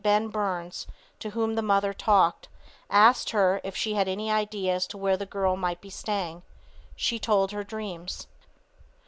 Ben Burns, to whom the mother talked, asked her if she had any idea as to where the girl might be staying. She told her dreams.